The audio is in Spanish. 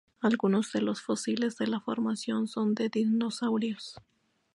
Algunos de los fósiles de la formación son de dinosaurios.